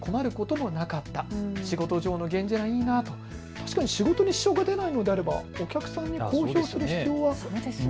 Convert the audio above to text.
確かに仕事に支障が出ないのであればお客さんに公表する必要はないですよね。